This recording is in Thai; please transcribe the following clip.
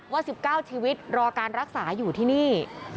๑๙ชีวิตรอการรักษาอยู่ที่นี่